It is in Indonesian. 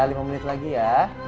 lima menit lagi ya